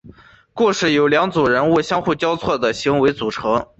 故事由两组人物互相交错的行为组成。